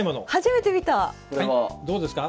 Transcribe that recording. はいどうですか？